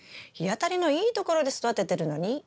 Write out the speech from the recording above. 日当たりのいいところで育ててるのに？